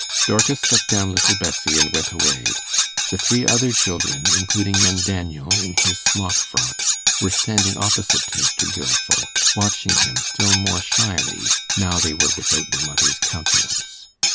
Dorcas set down little Bessie, and went away. The three other children, including young Daniel in his smock frock, were standing opposite to Mr. Gilfil, watching him still more shyly now they were without their mother's countenance.